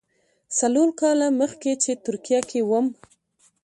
څلور کاله مخکې چې ترکیه کې وم.